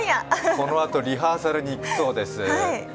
このあとリハーサルに行くそうです。